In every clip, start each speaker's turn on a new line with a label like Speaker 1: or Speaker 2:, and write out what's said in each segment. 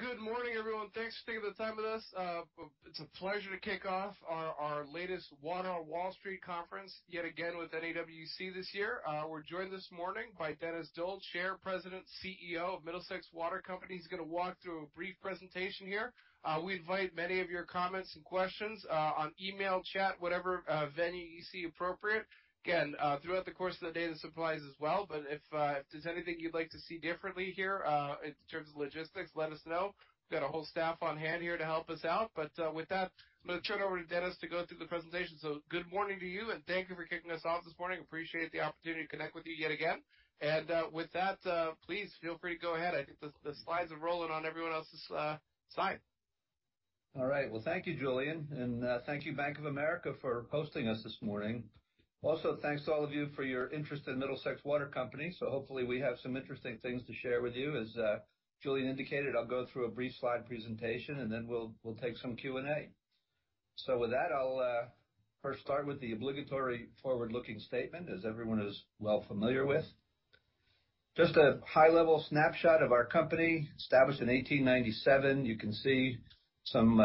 Speaker 1: Alrighty. Good morning, everyone. Thanks for taking the time with us. It's a pleasure to kick off our latest Water on Wall Street conference, yet again with NAWC this year. We're joined this morning by Dennis Doll, Chair, President, CEO of Middlesex Water Company. He's gonna walk through a brief presentation here. We invite many of your comments and questions on email, chat, whatever venue you see appropriate. Again, throughout the course of the day, this applies as well. But if there's anything you'd like to see differently here in terms of logistics, let us know. We've got a whole staff on hand here to help us out. But with that, I'm gonna turn it over to Dennis to go through the presentation. Good morning to you, and thank you for kicking us off this morning. appreciate the opportunity to connect with you yet again. With that, please feel free to go ahead. I think the slides are rolling on everyone else's side.
Speaker 2: All right. Well, thank you, Julian. Thank you, Bank of America, for hosting us this morning. Also, thanks to all of you for your interest in Middlesex Water Company. Hopefully, we have some interesting things to share with you. As Julian indicated, I'll go through a brief slide presentation, and then we'll take some Q&A. With that, I'll first start with the obligatory forward-looking statement, as everyone is well familiar with. Just a high-level snapshot of our company, established in 1897. You can see some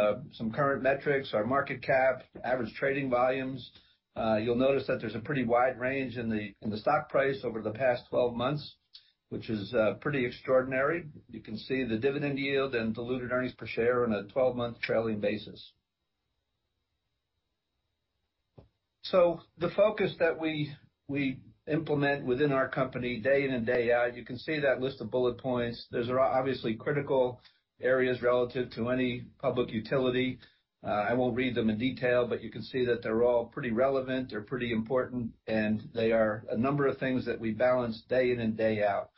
Speaker 2: current metrics, our market cap, average trading volumes. You'll notice that there's a pretty wide range in the stock price over the past 12 months, which is pretty extraordinary. You can see the dividend yield and diluted earnings per share on a 12-month trailing basis. The focus that we implement within our company day in and day out, you can see that list of bullet points. Those are obviously critical areas relative to any public utility. I won't read them in detail, but you can see that they're all pretty relevant. They're pretty important, and they are a number of things that we balance day in and day out.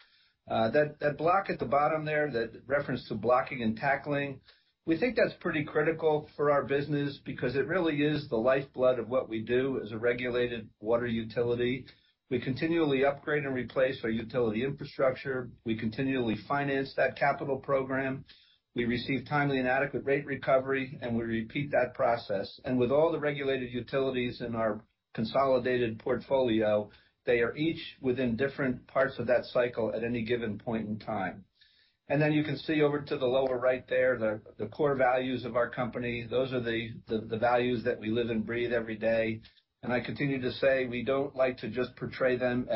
Speaker 2: That block at the bottom there, that reference to blocking and tackling, we think that's pretty critical for our business because it really is the lifeblood of what we do as a regulated water utility. We continually upgrade and replace our utility infrastructure. We continually finance that capital program. We receive timely and adequate rate recovery, and we repeat that process. With all the regulated utilities in our consolidated portfolio, they are each within different parts of that cycle at any given point in time. Then you can see over to the lower right there, the core values of our company. Those are the values that we live and breathe every day. I continue to say, we don't like to just portray them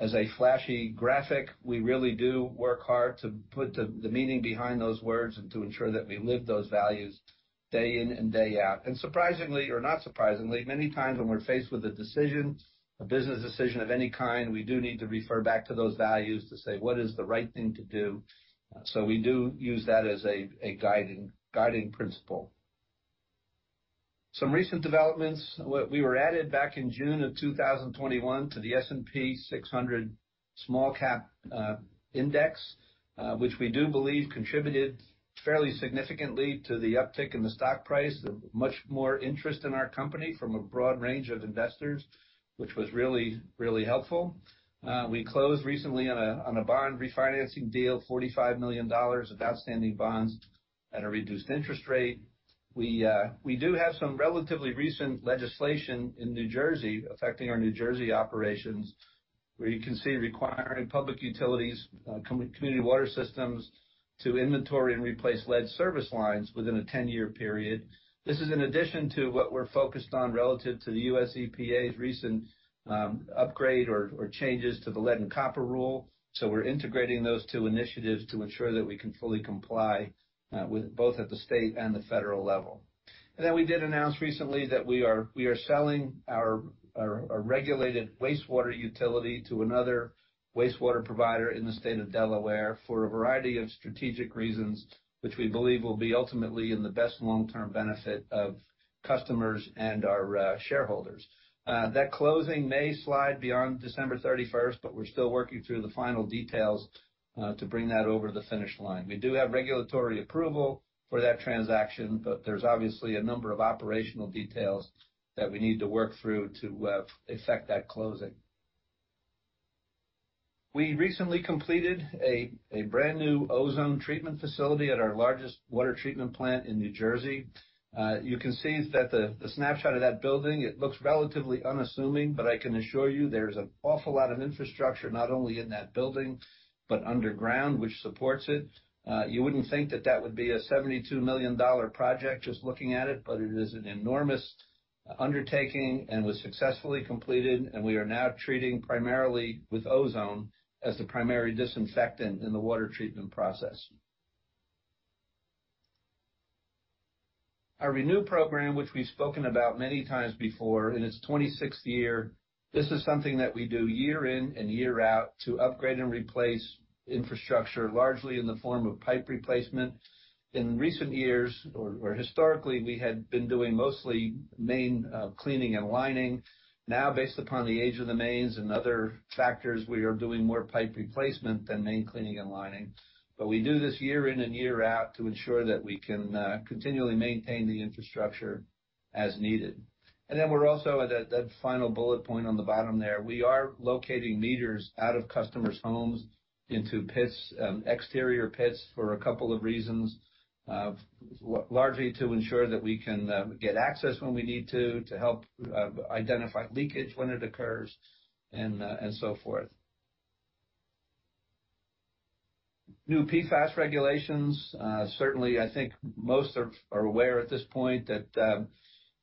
Speaker 2: as a flashy graphic. We really do work hard to put the meaning behind those words and to ensure that we live those values day in and day out. Surprisingly or not surprisingly, many times when we're faced with a decision, a business decision of any kind, we do need to refer back to those values to say, what is the right thing to do? We do use that as a guiding principle. Some recent developments. We were added back in June of 2021 to the S&P SmallCap600 index, which we do believe contributed fairly significantly to the uptick in the stock price. Much more interest in our company from a broad range of investors, which was really helpful. We closed recently on a bond refinancing deal, $45 million of outstanding bonds at a reduced interest rate. We do have some relatively recent legislation in New Jersey affecting our New Jersey operations, where you can see requiring public utilities, community water systems to inventory and replace lead service lines within a ten-year period. This is in addition to what we're focused on relative to the US EPA's recent upgrade or changes to the Lead and Copper Rule. We're integrating those two initiatives to ensure that we can fully comply with both at the state and the federal level. We did announce recently that we are selling our regulated wastewater utility to another wastewater provider in the state of Delaware for a variety of strategic reasons, which we believe will be ultimately in the best long-term benefit of customers and our shareholders. That closing may slide beyond December thirty-first, but we're still working through the final details to bring that over the finish line. We do have regulatory approval for that transaction, but there's obviously a number of operational details that we need to work through to effect that closing. We recently completed a brand new ozone treatment facility at our largest water treatment plant in New Jersey. You can see that the snapshot of that building. It looks relatively unassuming, but I can assure you there's an awful lot of infrastructure, not only in that building, but underground, which supports it. You wouldn't think that that would be a $72 million project just looking at it, but it is an enormous undertaking and was successfully completed. We are now treating primarily with ozone as the primary disinfectant in the water treatment process. Our ReNew program, which we've spoken about many times before, in its 26th year. This is something that we do year in and year out to upgrade and replace infrastructure, largely in the form of pipe replacement. In recent years, or historically, we had been doing mostly main cleaning and lining. Now, based upon the age of the mains and other factors, we are doing more pipe replacement than main cleaning and lining. We do this year in and year out to ensure that we can continually maintain the infrastructure as needed. We're also at that final bullet point on the bottom there. We are locating meters out of customers' homes into pits, exterior pits for a couple of reasons. Largely to ensure that we can get access when we need to help identify leakage when it occurs and so forth. New PFAS regulations. Certainly, I think most are aware at this point that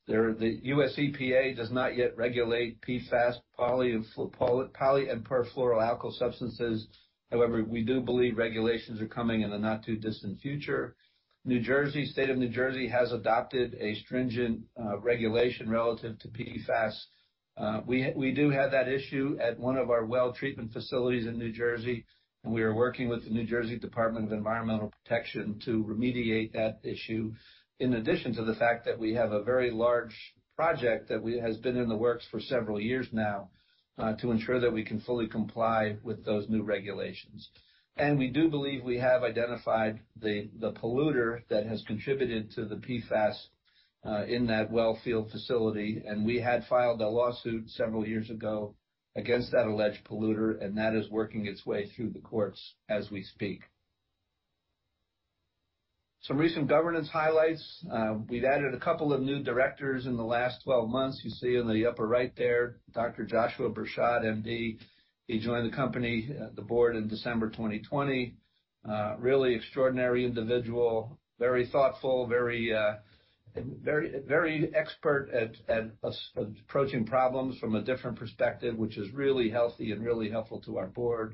Speaker 2: the U.S. EPA does not yet regulate PFAS, per- and polyfluoroalkyl substances. However, we do believe regulations are coming in the not too distant future. New Jersey, State of New Jersey, has adopted a stringent regulation relative to PFAS. We do have that issue at one of our well treatment facilities in New Jersey, and we are working with the New Jersey Department of Environmental Protection to remediate that issue, in addition to the fact that we have a very large project that has been in the works for several years now to ensure that we can fully comply with those new regulations. We do believe we have identified the polluter that has contributed to the PFAS in that well field facility. We had filed a lawsuit several years ago against that alleged polluter, and that is working its way through the courts as we speak. Some recent governance highlights. We've added a couple of new directors in the last 12 months. You see in the upper right there, Dr. Joshua Bershad, M.D. He joined the company, the board in December 2020. Really extraordinary individual, very thoughtful, very expert at approaching problems from a different perspective, which is really healthy and really helpful to our board.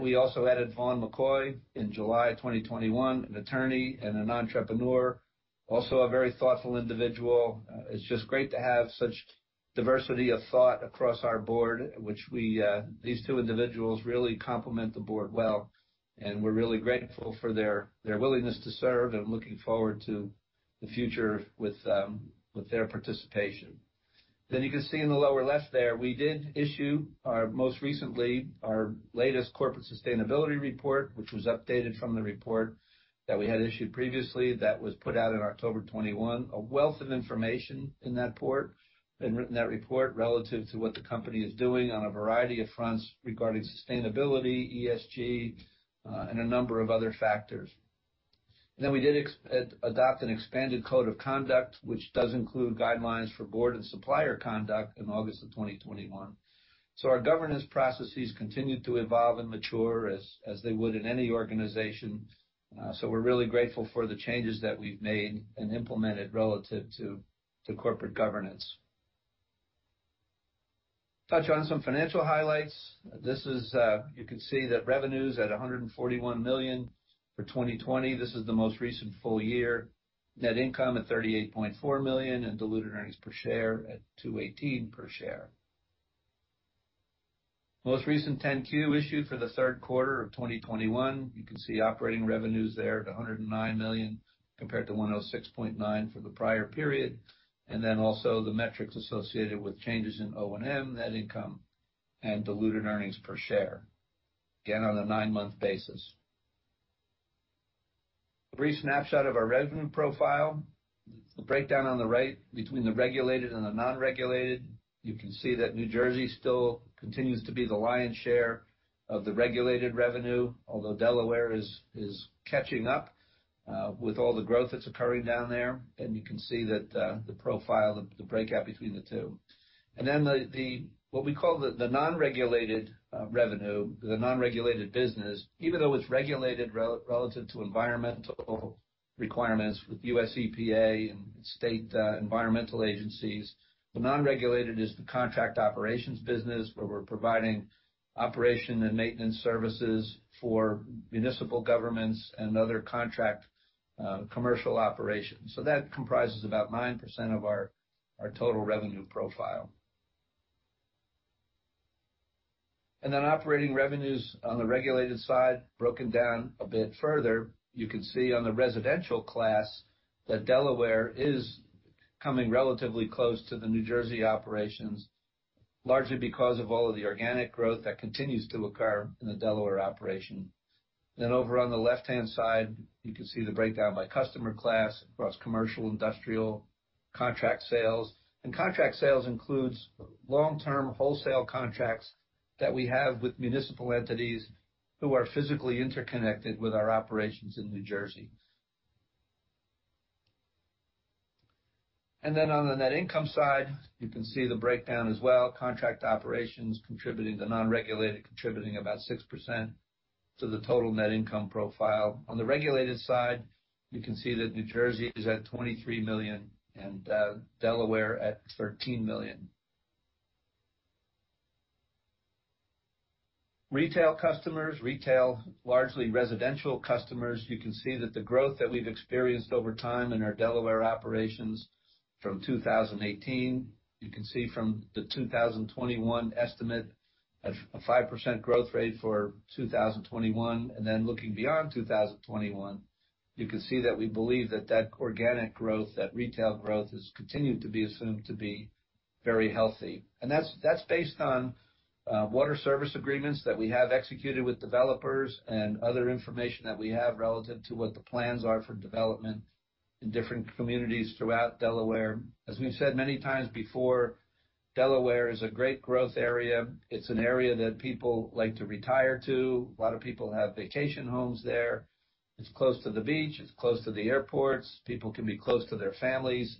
Speaker 2: We also added Vaughn McKoy in July 2021, an attorney and an entrepreneur, also a very thoughtful individual. It's just great to have such diversity of thought across our board, which these two individuals really complement the board well, and we're really grateful for their willingness to serve and looking forward to the future with their participation. You can see in the lower left there, we did issue our most recent, our latest corporate sustainability report, which was updated from the report that we had issued previously that was put out in October 2021. A wealth of information in that report relative to what the company is doing on a variety of fronts regarding sustainability, ESG, and a number of other factors. We did adopt an expanded code of conduct, which does include guidelines for board and supplier conduct in August 2021. Our governance processes continued to evolve and mature as they would in any organization. We're really grateful for the changes that we've made and implemented relative to corporate governance. Touch on some financial highlights. You can see that revenues at $141 million for 2020. This is the most recent full year. Net income at $38.4 million and diluted earnings per share at $2.18 per share. Most recent 10-Q issued for the third quarter of 2021. You can see operating revenues there at $109 million compared to $106.9 for the prior period, and then also the metrics associated with changes in O&M, net income, and diluted earnings per share, again on a nine-month basis. A brief snapshot of our revenue profile. The breakdown on the right between the regulated and the non-regulated. You can see that New Jersey still continues to be the lion's share of the regulated revenue, although Delaware is catching up with all the growth that's occurring down there. You can see that, the profile, the breakout between the two. What we call the non-regulated revenue, the non-regulated business, even though it's regulated relative to environmental requirements with U.S. EPA and state environmental agencies, the non-regulated is the contract operations business, where we're providing operation and maintenance services for municipal governments and other contract commercial operations. That comprises about 9% of our total revenue profile. Operating revenues on the regulated side broken down a bit further. You can see on the residential class that Delaware is coming relatively close to the New Jersey operations, largely because of all of the organic growth that continues to occur in the Delaware operation. Over on the left-hand side, you can see the breakdown by customer class across commercial, industrial, contract sales. Contract sales includes long-term wholesale contracts that we have with municipal entities who are physically interconnected with our operations in New Jersey. Then on the net income side, you can see the breakdown as well. Contract operations contributing to non-regulated about 6% to the total net income profile. On the regulated side, you can see that New Jersey is at $23 million and Delaware at $13 million. Retail customers, largely residential customers. You can see that the growth that we've experienced over time in our Delaware operations from 2018, you can see from the 2021 estimate a 5% growth rate for 2021. Looking beyond 2021, you can see that we believe that organic growth, that retail growth, has continued to be assumed to be very healthy. That's based on water service agreements that we have executed with developers and other information that we have relative to what the plans are for development in different communities throughout Delaware. As we've said many times before, Delaware is a great growth area. It's an area that people like to retire to. A lot of people have vacation homes there. It's close to the beach. It's close to the airports. People can be close to their families.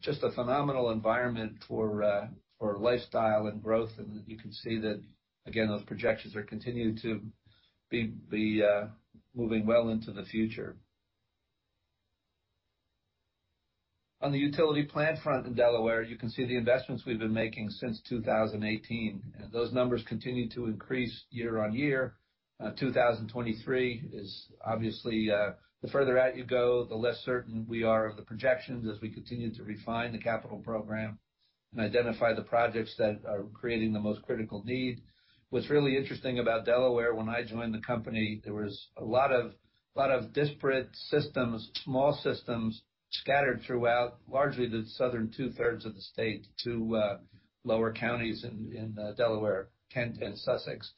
Speaker 2: Just a phenomenal environment for lifestyle and growth. You can see that again, those projections are continuing to be moving well into the future. On the utility plant front in Delaware, you can see the investments we've been making since 2018, and those numbers continue to increase year on year. 2023 is obviously the further out you go, the less certain we are of the projections as we continue to refine the capital program and identify the projects that are creating the most critical need. What's really interesting about Delaware when I joined the company, there was a lot of disparate systems, small systems scattered throughout, largely the southern two-thirds of the state to lower counties in Delaware, Kent and Sussex.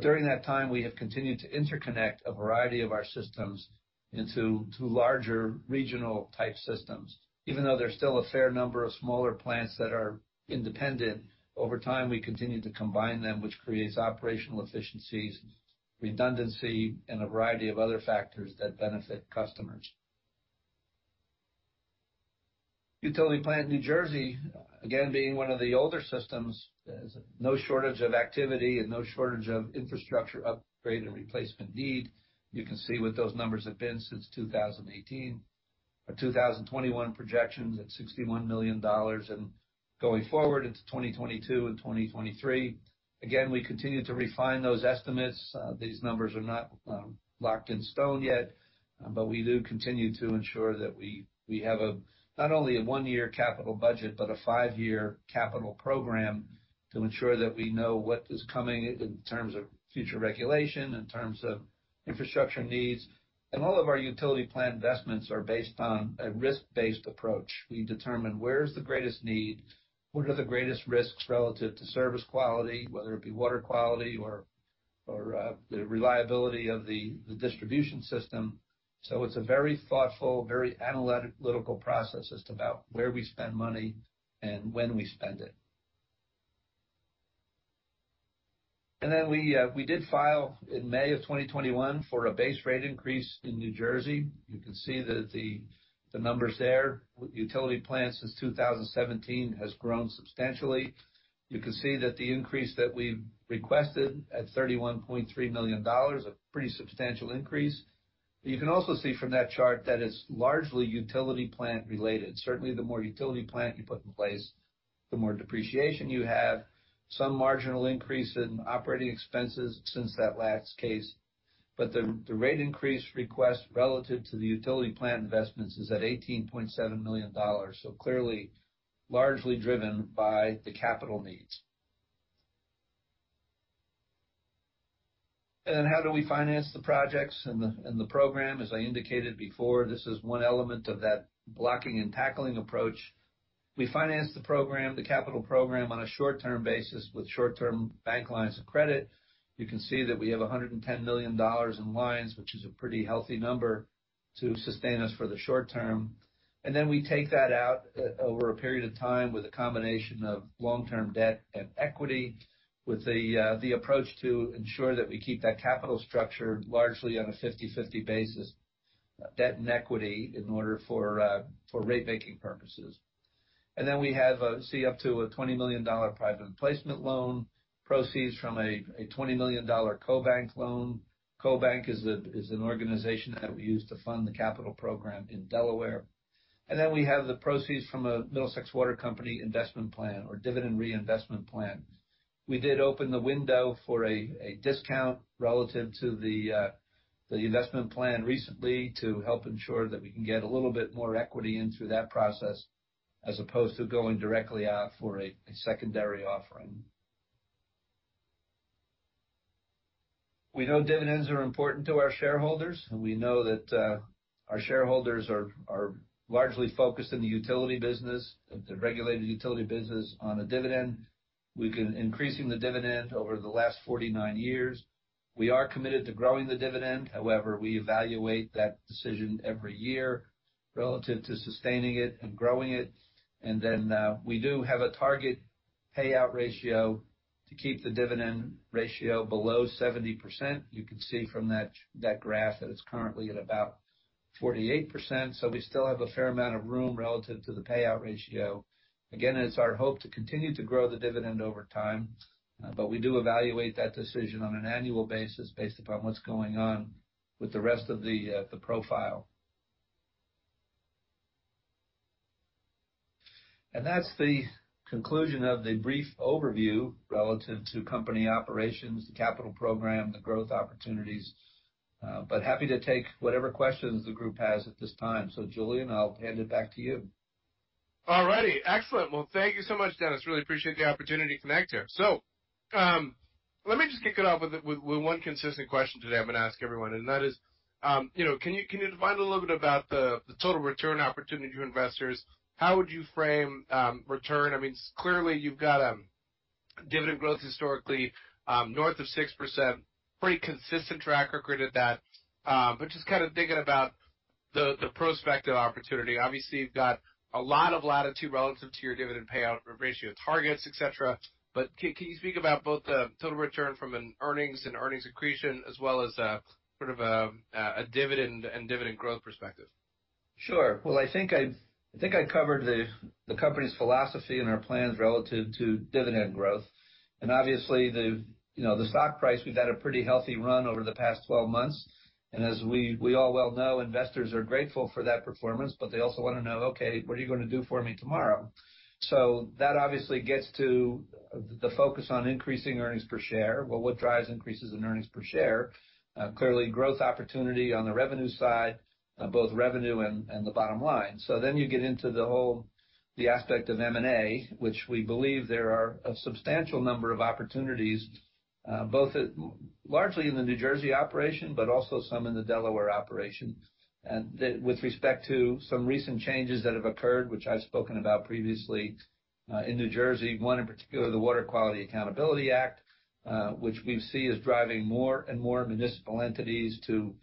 Speaker 2: During that time, we have continued to interconnect a variety of our systems into larger regional type systems. Even though there's still a fair number of smaller plants that are independent, over time, we continue to combine them, which creates operational efficiencies, redundancy and a variety of other factors that benefit customers. Utility plant, New Jersey, again, being one of the older systems, there's no shortage of activity and no shortage of infrastructure upgrade and replacement need. You can see what those numbers have been since 2018. Our 2021 projections at $61 million, and going forward into 2022 and 2023. Again, we continue to refine those estimates. These numbers are not locked in stone yet, but we do continue to ensure that we have not only a one year capital budget, but a five year capital program to ensure that we know what is coming in terms of future regulation, in terms of infrastructure needs. All of our utility plan investments are based on a risk-based approach. We determine where's the greatest need, what are the greatest risks relative to service quality, whether it be water quality or the reliability of the distribution system. It's a very thoughtful, very analytical process as to about where we spend money and when we spend it. We did file in May 2021 for a base rate increase in New Jersey. You can see that the numbers there with utility plant since 2017 has grown substantially. You can see that the increase that we've requested at $31.3 million, a pretty substantial increase. You can also see from that chart that it's largely utility plant related. Certainly, the more utility plant you put in place, the more depreciation you have. Some marginal increase in operating expenses since that last case. The rate increase request relative to the utility plant investments is at $18.7 million. Clearly largely driven by the capital needs. How do we finance the projects and the program? As I indicated before, this is one element of that blocking and tackling approach. We finance the program, the capital program, on a short-term basis with short-term bank lines of credit. You can see that we have $110 million in lines, which is a pretty healthy number to sustain us for the short term. Then we take that out over a period of time with a combination of long-term debt and equity, with the approach to ensure that we keep that capital structure largely on a 50/50 basis, debt and equity, in order for rate making purposes. Then we have up to a $20 million private placement loan, proceeds from a $20 million CoBank loan. CoBank is an organization that we use to fund the capital program in Delaware. We have the proceeds from a Middlesex Water Company Investment Plan or dividend reinvestment plan. We did open the window for a discount relative to the investment plan recently to help ensure that we can get a little bit more equity in through that process, as opposed to going directly out for a secondary offering. We know dividends are important to our shareholders, and we know that our shareholders are largely focused in the utility business, the regulated utility business, on a dividend. We've been increasing the dividend over the last 49 years. We are committed to growing the dividend. However, we evaluate that decision every year relative to sustaining it and growing it. We do have a target payout ratio to keep the dividend ratio below 70%. You can see from that graph that it's currently at about 48%. We still have a fair amount of room relative to the payout ratio. Again, it's our hope to continue to grow the dividend over time, but we do evaluate that decision on an annual basis based upon what's going on with the rest of the profile. That's the conclusion of the brief overview relative to company operations, the capital program, the growth opportunities. Happy to take whatever questions the group has at this time. Julian, I'll hand it back to you.
Speaker 1: All righty. Excellent. Well, thank you so much, Dennis. Really appreciate the opportunity to connect here. Let me just kick it off with one consistent question today I'm gonna ask everyone, and that is, you know, can you define a little bit about the total return opportunity to investors? How would you frame return? I mean, clearly you've got a dividend growth historically north of 6%, pretty consistent track record at that. Just kind of thinking about the prospective opportunity. Obviously, you've got a lot of latitude relative to your dividend payout ratio targets, et cetera. Can you speak about both the total return from an earnings and earnings accretion as well as sort of a dividend and dividend growth perspective?
Speaker 2: Sure. Well, I think I covered the company's philosophy and our plans relative to dividend growth. Obviously, you know, the stock price, we've had a pretty healthy run over the past 12 months. As we all well know, investors are grateful for that performance, but they also wanna know, okay, what are you gonna do for me tomorrow? That obviously gets to the focus on increasing earnings per share. Well, what drives increases in earnings per share? Clearly growth opportunity on the revenue side, both revenue and the bottom line. Then you get into the whole aspect of M&A, which we believe there are a substantial number of opportunities, both largely in the New Jersey operation, but also some in the Delaware operation. With respect to some recent changes that have occurred, which I've spoken about previously, in New Jersey, one in particular, the Water Quality Accountability Act, which we see as driving more and more municipal entities to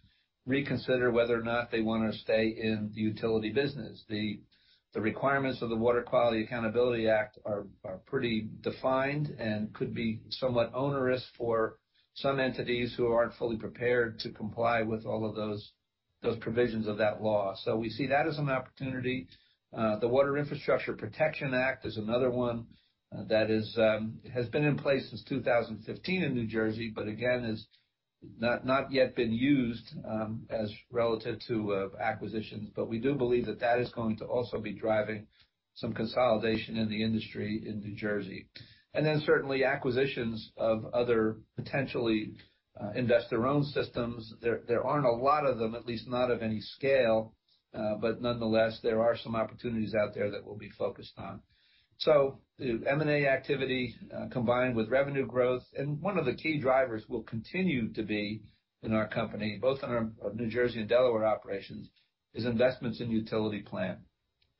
Speaker 2: reconsider whether or not they wanna stay in the utility business. The requirements of the Water Quality Accountability Act are pretty defined and could be somewhat onerous for some entities who aren't fully prepared to comply with all of those provisions of that law. We see that as an opportunity. The Water Infrastructure Protection Act is another one, that is, has been in place since 2015 in New Jersey, but again is not yet been used, as it relates to acquisitions. We do believe that is going to also be driving some consolidation in the industry in New Jersey. Certainly acquisitions of other potentially investor-owned systems. There aren't a lot of them, at least not of any scale, but nonetheless, there are some opportunities out there that we'll be focused on. The M&A activity combined with revenue growth, and one of the key drivers will continue to be in our company, both in our New Jersey and Delaware operations, is investments in utility plant.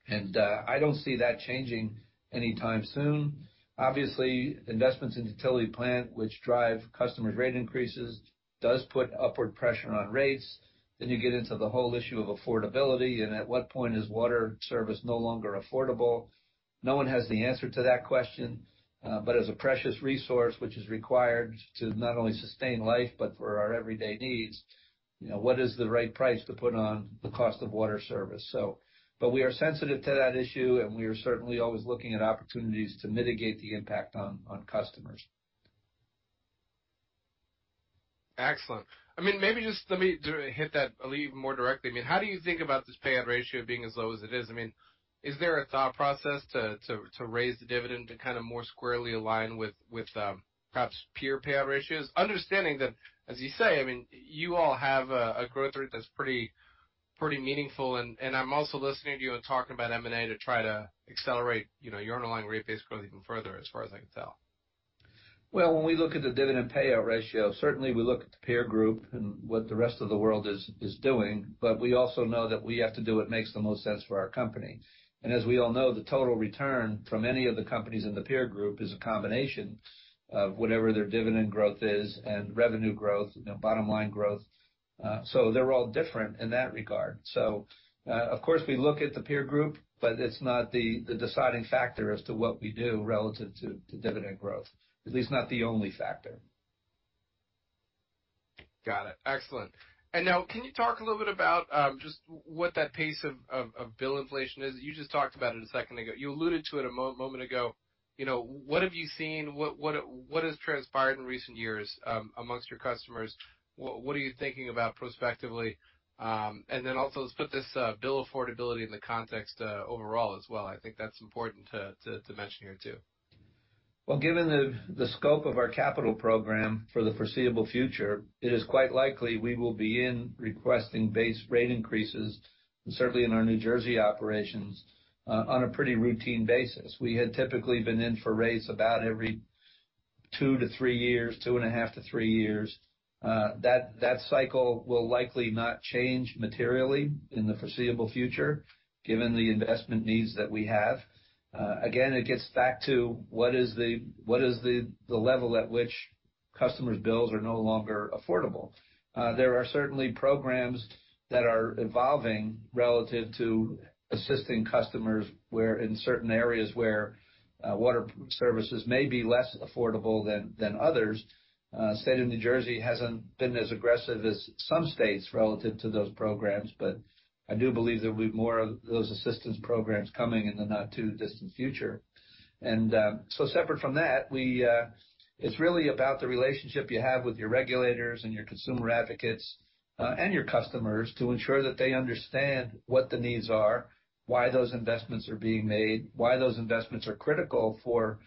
Speaker 2: I don't see that changing anytime soon. Obviously, investments in utility plant which drive customers' rate increases does put upward pressure on rates. You get into the whole issue of affordability and at what point is water service no longer affordable. No one has the answer to that question. As a precious resource which is required to not only sustain life but for our everyday needs, you know, what is the right price to put on the cost of water service? We are sensitive to that issue, and we are certainly always looking at opportunities to mitigate the impact on customers.
Speaker 1: Excellent. I mean, maybe just let me hit that a little even more directly. I mean, how do you think about this payout ratio being as low as it is? I mean, is there a thought process to raise the dividend to kind of more squarely align with perhaps peer payout ratios? Understanding that, as you say, I mean, you all have a growth rate that's pretty meaningful, and I'm also listening to you and talking about M&A to try to accelerate, you know, your underlying rate base growth even further, as far as I can tell.
Speaker 2: Well, when we look at the dividend payout ratio, certainly we look at the peer group and what the rest of the world is doing, but we also know that we have to do what makes the most sense for our company. As we all know, the total return from any of the companies in the peer group is a combination of whatever their dividend growth is and revenue growth, you know, bottom line growth. They're all different in that regard. Of course, we look at the peer group, but it's not the deciding factor as to what we do relative to dividend growth, at least not the only factor.
Speaker 1: Got it. Excellent. Now, can you talk a little bit about just what that pace of bill inflation is? You just talked about it a second ago. You alluded to it a moment ago. You know, what have you seen? What has transpired in recent years amongst your customers? What are you thinking about prospectively? Then also let's put this bill affordability in the context overall as well. I think that's important to mention here too.
Speaker 2: Well, given the scope of our capital program for the foreseeable future, it is quite likely we will be in requesting base rate increases, certainly in our New Jersey operations, on a pretty routine basis. We had typically been in for rates about every two to three years, 2.5 to three years. That cycle will likely not change materially in the foreseeable future, given the investment needs that we have. Again, it gets back to what is the level at which customers' bills are no longer affordable. There are certainly programs that are evolving relative to assisting customers where in certain areas water services may be less affordable than others. State of New Jersey hasn't been as aggressive as some states relative to those programs, but I do believe there'll be more of those assistance programs coming in the not too distant future. Separate from that, it's really about the relationship you have with your regulators and your consumer advocates and your customers to ensure that they understand what the needs are, why those investments are being made, why those investments are critical for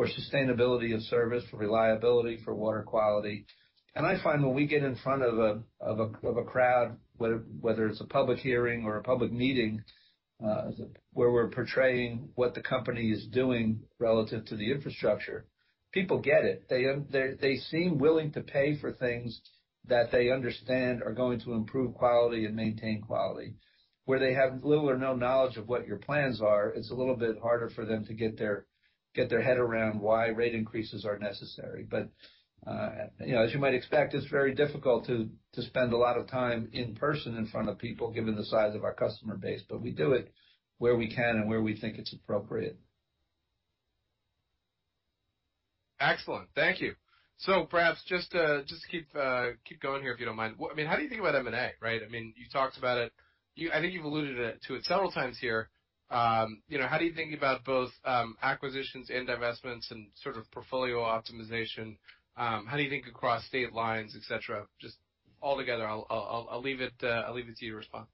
Speaker 2: sustainability of service, for reliability, for water quality. I find when we get in front of a crowd, whether it's a public hearing or a public meeting, where we're portraying what the company is doing relative to the infrastructure, people get it. They seem willing to pay for things that they understand are going to improve quality and maintain quality. Where they have little or no knowledge of what your plans are, it's a little bit harder for them to get their head around why rate increases are necessary. You know, as you might expect, it's very difficult to spend a lot of time in person in front of people, given the size of our customer base, but we do it where we can and where we think it's appropriate.
Speaker 1: Excellent. Thank you. Perhaps just keep going here, if you don't mind. I mean, how do you think about M&A, right? I mean, you talked about it. I think you've alluded to it several times here. You know, how do you think about both acquisitions and divestments and sort of portfolio optimization? How do you think across state lines, et cetera? Just all together. I'll leave it to you to respond.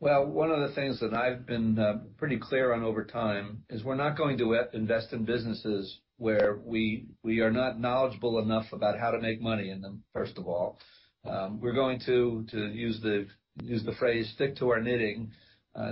Speaker 2: Well, one of the things that I've been pretty clear on over time is we're not going to invest in businesses where we are not knowledgeable enough about how to make money in them, first of all. We're going to use the phrase, "stick to our knitting,"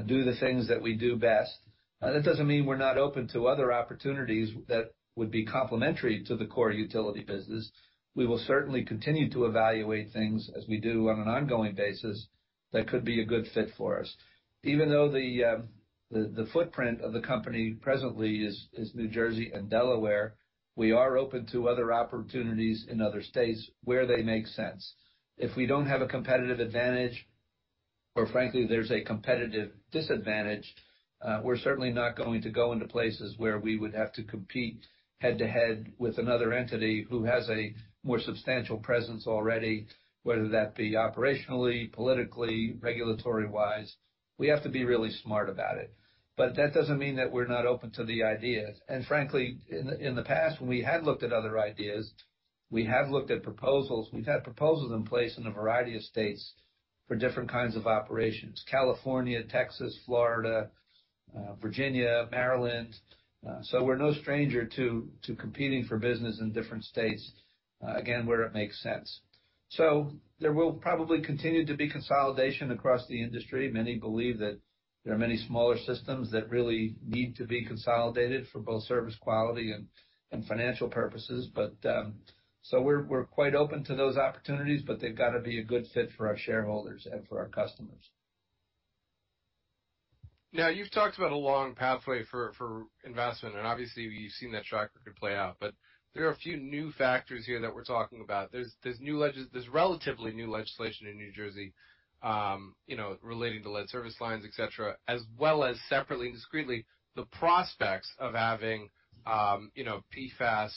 Speaker 2: do the things that we do best. That doesn't mean we're not open to other opportunities that would be complementary to the core utility business. We will certainly continue to evaluate things as we do on an ongoing basis that could be a good fit for us. Even though the footprint of the company presently is New Jersey and Delaware, we are open to other opportunities in other states where they make sense. If we don't have a competitive advantage or frankly, there's a competitive disadvantage, we're certainly not going to go into places where we would have to compete head to head with another entity who has a more substantial presence already, whether that be operationally, politically, regulatory-wise. We have to be really smart about it. That doesn't mean that we're not open to the ideas. Frankly, in the past, when we had looked at other ideas, we have looked at proposals. We've had proposals in place in a variety of states for different kinds of operations. California, Texas, Florida, Virginia, Maryland. We're no stranger to competing for business in different states, again, where it makes sense. There will probably continue to be consolidation across the industry. Many believe that there are many smaller systems that really need to be consolidated for both service quality and financial purposes. We're quite open to those opportunities, but they've got to be a good fit for our shareholders and for our customers.
Speaker 1: Now, you've talked about a long pathway for investment, and obviously you've seen that tracker could play out. There are a few new factors here that we're talking about. There's relatively new legislation in New Jersey, you know, relating to lead service lines, et cetera, as well as separately and discreetly, the prospects of having, you know, PFAS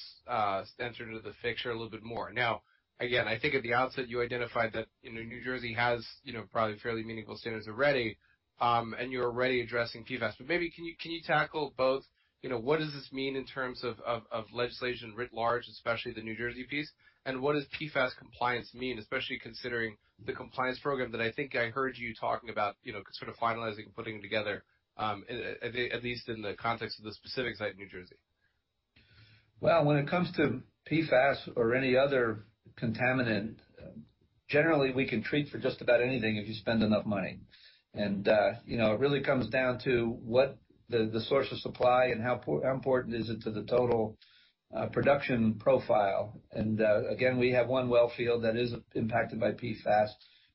Speaker 1: enter into the picture a little bit more. Now, again, I think at the outset, you identified that, you know, New Jersey has, you know, probably fairly meaningful standards already, and you're already addressing PFAS. Maybe can you tackle both, you know, what does this mean in terms of legislation writ large, especially the New Jersey piece? What does PFAS compliance mean, especially considering the compliance program that I think I heard you talking about, you know, sort of finalizing and putting together, at least in the context of the specific site in New Jersey?
Speaker 2: Well, when it comes to PFAS or any other contaminant, generally we can treat for just about anything if you spend enough money. You know, it really comes down to what the source of supply and how important is it to the total production profile. Again, we have one well field that is impacted by PFAS,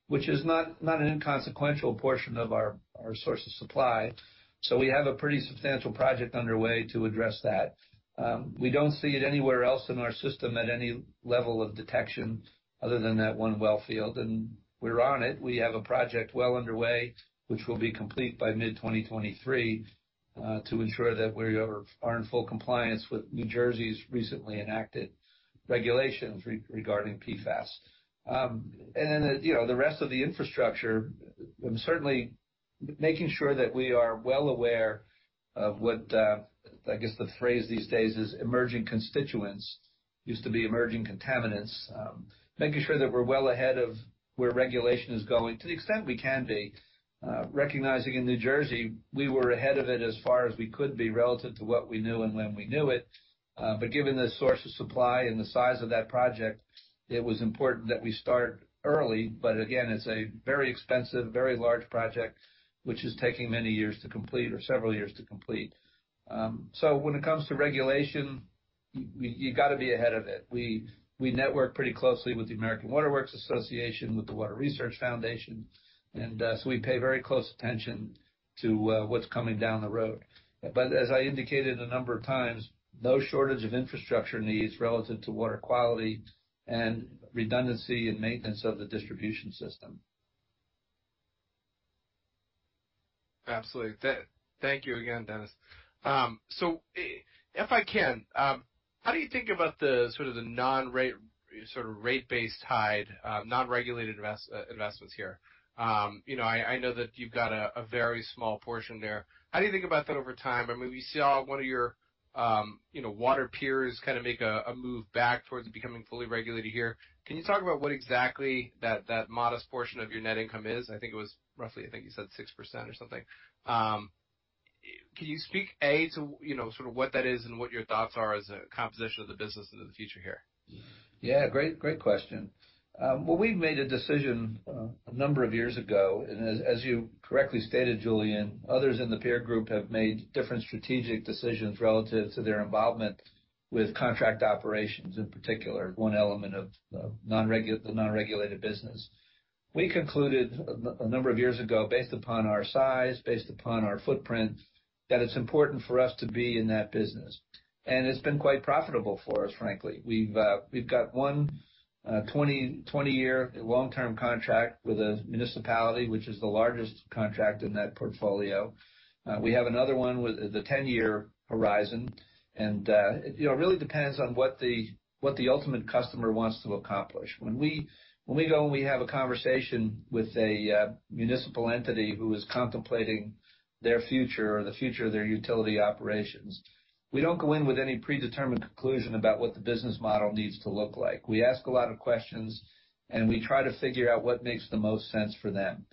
Speaker 2: which is not an inconsequential portion of our source of supply. We have a pretty substantial project underway to address that. We don't see it anywhere else in our system at any level of detection other than that one well field, and we're on it. We have a project well underway which will be complete by mid-2023 to ensure that we are in full compliance with New Jersey's recently enacted regulations regarding PFAS. You know, the rest of the infrastructure, certainly making sure that we are well aware of what, I guess the phrase these days is emerging constituents. It used to be emerging contaminants. Making sure that we're well ahead of where regulation is going to the extent we can be. Recognizing in New Jersey, we were ahead of it as far as we could be relative to what we knew and when we knew it. Given the source of supply and the size of that project, it was important that we start early. Again, it's a very expensive, very large project, which is taking many years to complete or several years to complete. When it comes to regulation, you gotta be ahead of it. We network pretty closely with the American Water Works Association, with the Water Research Foundation. We pay very close attention to what's coming down the road. As I indicated a number of times, no shortage of infrastructure needs relative to water quality and redundancy and maintenance of the distribution system.
Speaker 1: Absolutely. Thank you again, Dennis. If I can, how do you think about the sort of the non-rate sort of rate-based side non-regulated investments here? You know, I know that you've got a very small portion there. How do you think about that over time? I mean, we see all one of your you know water peers kinda make a move back towards becoming fully regulated here. Can you talk about what exactly that modest portion of your net income is? I think it was roughly, I think you said 6% or something. Can you speak: A, to, you know, sort of what that is and what your thoughts are as a composition of the business into the future here?
Speaker 2: Yeah. Great, great question. Well, we made a decision a number of years ago, and as you correctly stated, Julian, others in the peer group have made different strategic decisions relative to their involvement with contract operations, in particular, one element of the non-regulated business. We concluded a number of years ago, based upon our size, based upon our footprint, that it's important for us to be in that business. It's been quite profitable for us, frankly. We've got one 20 year long-term contract with a municipality which is the largest contract in that portfolio. We have another with the ten-year horizon. It you know, really depends on what the ultimate customer wants to accomplish. When we go and we have a conversation with a municipal entity who is contemplating their future or the future of their utility operations, we don't go in with any predetermined conclusion about what the business model needs to look like. We ask a lot of questions, and we try to figure out what makes the most sense for them.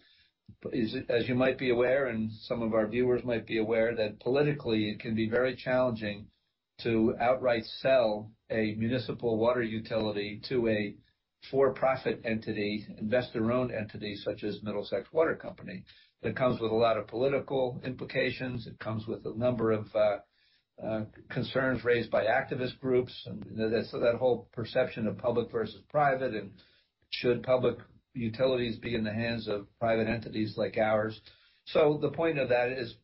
Speaker 2: As you might be aware, and some of our viewers might be aware, that politically it can be very challenging to outright sell a municipal water utility to a for-profit entity, investor-owned entity such as Middlesex Water Company. That comes with a lot of political implications. It comes with a number of concerns raised by activist groups, and so that whole perception of public versus private, and should public utilities be in the hands of private entities like ours. The point of that is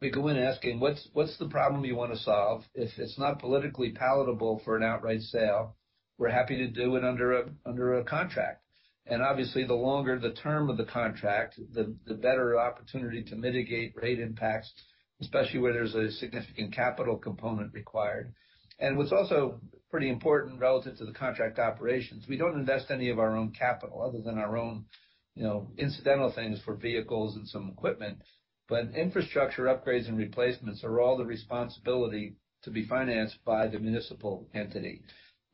Speaker 2: we go in asking, "What's the problem you wanna solve?" If it's not politically palatable for an outright sale, we're happy to do it under a contract. Obviously, the longer the term of the contract, the better opportunity to mitigate rate impacts, especially where there's a significant capital component required. What's also pretty important relative to the contract operations, we don't invest any of our own capital other than our own, you know, incidental things for vehicles and some equipment. Infrastructure upgrades and replacements are all the responsibility to be financed by the municipal entity.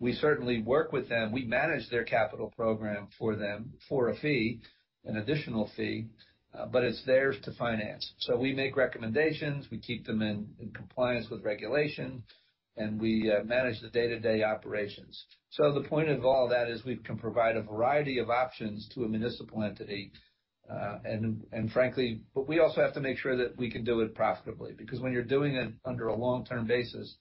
Speaker 2: We certainly work with them. We manage their capital program for them for a fee, an additional fee, but it's theirs to finance. We make recommendations. We keep them in compliance with regulations, and we manage the day-to-day operations. The point of all that is we can provide a variety of options to a municipal entity, and frankly, but we also have to make sure that we can do it profitably because when you're doing it under a long-term basis,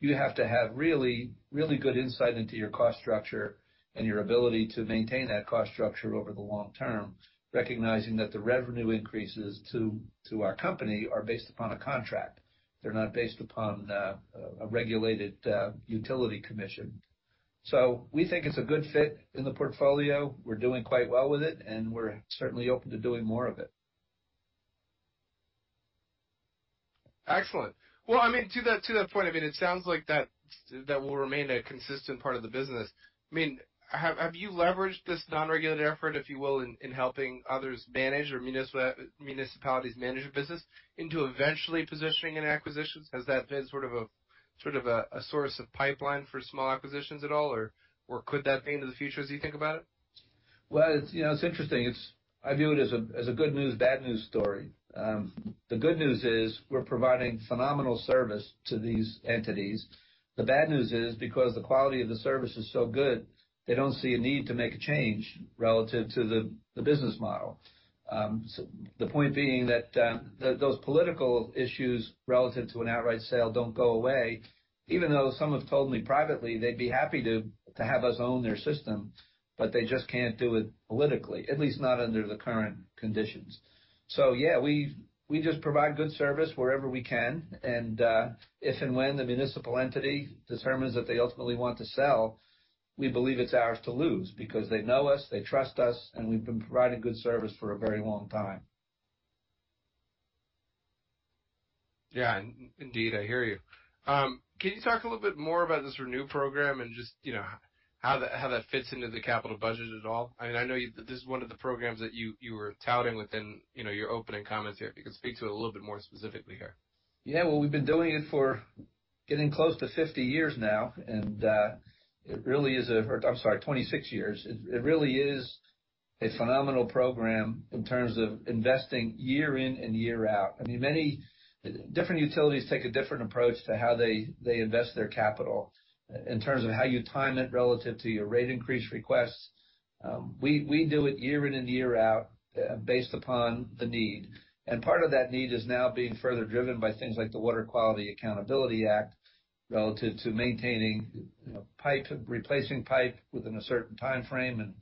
Speaker 2: you have to have really good insight into your cost structure and your ability to maintain that cost structure over the long term, recognizing that the revenue increases to our company are based upon a contract. They're not based upon a regulated utility commission. We think it's a good fit in the portfolio. We're doing quite well with it, and we're certainly open to doing more of it.
Speaker 1: Excellent. Well, I mean, to that point, I mean, it sounds like that will remain a consistent part of the business. I mean, have you leveraged this non-regulated effort, if you will, in helping others manage or municipalities manage their business into eventually positioning and acquisitions? Has that been sort of a source of pipeline for small acquisitions at all, or could that be into the future as you think about it?
Speaker 2: Well, you know, it's interesting. It's I view it as a good news, bad news story. The good news is we're providing phenomenal service to these entities. The bad news is, because the quality of the service is so good, they don't see a need to make a change relative to the business model. The point being that those political issues relative to an outright sale don't go away, even though some have told me privately they'd be happy to have us own their system, but they just can't do it politically, at least not under the current conditions. Yeah, we just provide good service wherever we can, and if and when the municipal entity determines that they ultimately want to sell, we believe it's ours to lose because they know us, they trust us, and we've been providing good service for a very long time.
Speaker 1: Yeah. Indeed, I hear you. Can you talk a little bit more about this ReNew program and just, you know, how that fits into the capital budget at all? I mean, I know this is one of the programs that you were touting within, you know, your opening comments here. If you could speak to it a little bit more specifically here.
Speaker 2: Yeah. Well, we've been doing it for getting close to 50 years now, and it really is. Or I'm sorry, 26 years. It really is a phenomenal program in terms of investing year in and year out. I mean, many different utilities take a different approach to how they invest their capital in terms of how you time it relative to your rate increase requests. We do it year in and year out, based upon the need. Part of that need is now being further driven by things like the Water Quality Accountability Act relative to maintaining, you know, pipe, replacing pipe within a certain timeframe and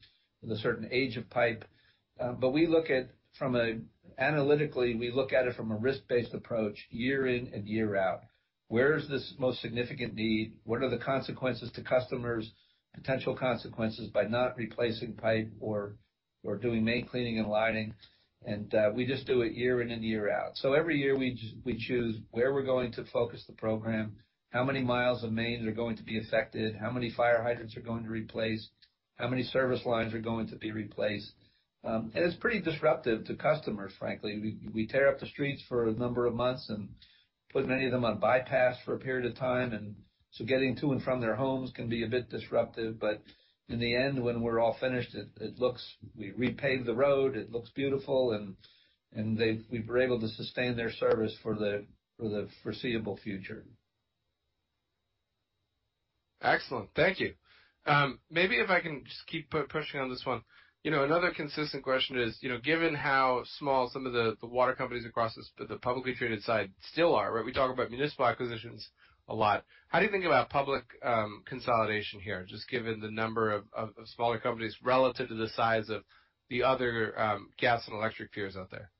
Speaker 2: with a certain age of pipe. But analytically, we look at it from a risk-based approach year in and year out. Where is this most significant need? What are the consequences to customers, potential consequences by not replacing pipe or doing main cleaning and lining? We just do it year in and year out. Every year, we choose where we're going to focus the program, how many miles of mains are going to be affected, how many fire hydrants are going to be replaced, how many service lines are going to be replaced. It's pretty disruptive to customers, frankly. We tear up the streets for a number of months and put many of them on bypass for a period of time, and so getting to and from their homes can be a bit disruptive. In the end, when we're all finished, it looks we repave the road, it looks beautiful, and we've been able to sustain their service for the foreseeable future.
Speaker 1: Excellent. Thank you. Maybe if I can just keep pushing on this one. You know, another consistent question is, you know, given how small some of the water companies across the publicly traded side still are, right? We talk about municipal acquisitions a lot. How do you think about public consolidation here, just given the number of smaller companies relative to the size of the other gas and electric peers out there?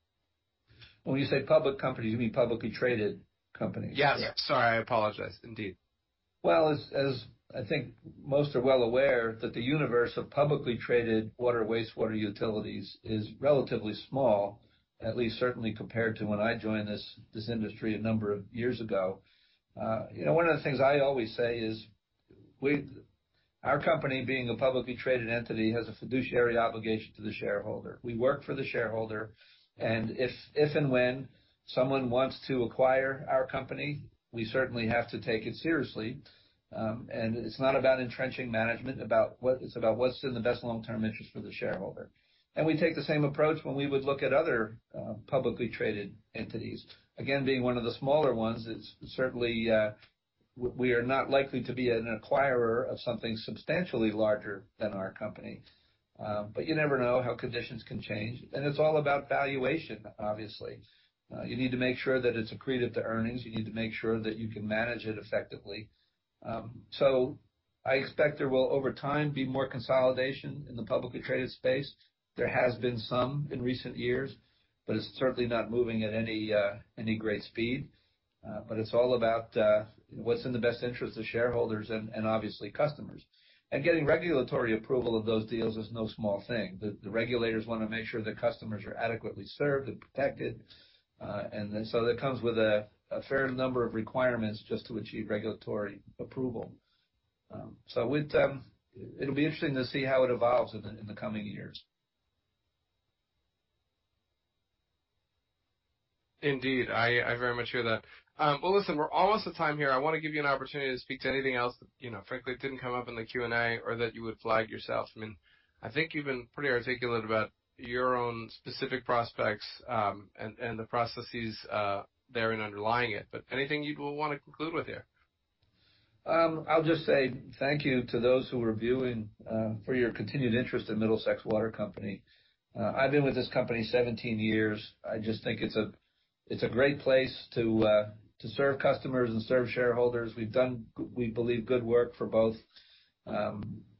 Speaker 2: When you say public companies, you mean publicly traded companies?
Speaker 1: Yes. Sorry. I apologize. Indeed.
Speaker 2: Well, as I think most are well aware, the universe of publicly traded water and wastewater utilities is relatively small, at least certainly compared to when I joined this industry a number of years ago. You know, one of the things I always say is our company, being a publicly traded entity, has a fiduciary obligation to the shareholder. We work for the shareholder, and if and when someone wants to acquire our company, we certainly have to take it seriously. It's not about entrenching management, it's about what's in the best long-term interest for the shareholder. We take the same approach when we would look at other publicly traded entities. Again, being one of the smaller ones, it's certainly we are not likely to be an acquirer of something substantially larger than our company, but you never know how conditions can change, and it's all about valuation, obviously. You need to make sure that it's accretive to earnings. You need to make sure that you can manage it effectively. I expect there will, over time, be more consolidation in the publicly traded space. There has been some in recent years, but it's certainly not moving at any great speed. It's all about what's in the best interest of shareholders and obviously customers. Getting regulatory approval of those deals is no small thing. The regulators wanna make sure their customers are adequately served and protected. That comes with a fair number of requirements just to achieve regulatory approval. It'll be interesting to see how it evolves in the coming years.
Speaker 1: Indeed. I very much hear that. Well, listen, we're almost at time here. I wanna give you an opportunity to speak to anything else that, you know, frankly, didn't come up in the Q&A or that you would flag yourself. I mean, I think you've been pretty articulate about your own specific prospects, and the processes there and underlying it. Anything you'd wanna conclude with here?
Speaker 2: I'll just say thank you to those who are viewing for your continued interest in Middlesex Water Company. I've been with this company 17 years. I just think it's a great place to serve customers and serve shareholders. We believe good work for both.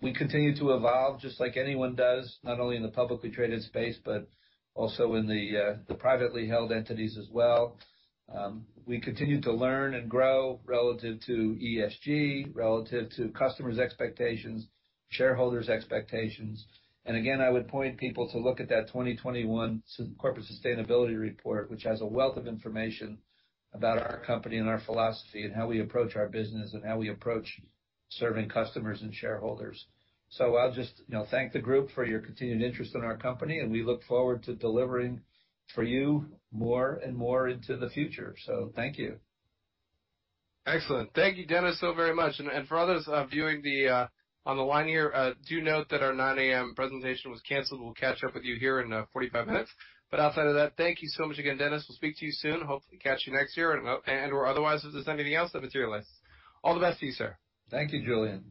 Speaker 2: We continue to evolve just like anyone does, not only in the publicly traded space, but also in the privately held entities as well. We continue to learn and grow relative to ESG, relative to customers' expectations, shareholders' expectations. Again, I would point people to look at that 2021 corporate sustainability report, which has a wealth of information about our company and our philosophy and how we approach our business and how we approach serving customers and shareholders. I'll just, you know, thank the group for your continued interest in our company, and we look forward to delivering for you more and more into the future. Thank you.
Speaker 1: Excellent. Thank you, Dennis, so very much. For others viewing on the line here, do note that our 9 A.M. presentation was canceled. We'll catch up with you here in 45 minutes. Outside of that, thank you so much again, Dennis. We'll speak to you soon. Hopefully catch you next year or otherwise, if there's anything else that materializes. All the best to you, sir.
Speaker 2: Thank you, Julian.